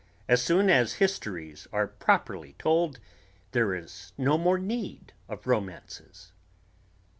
As soon as histories are properly told there is no more need of romances.